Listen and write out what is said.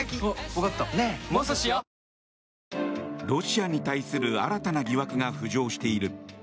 ロシアに対する新たな疑惑が浮上している。